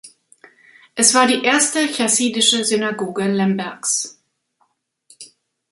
Es war die erste chassidische Synagoge Lembergs.